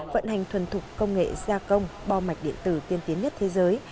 vận hành thuần thục công nghệ gia công bo mạch điện tử tiên tiến nhất thế giới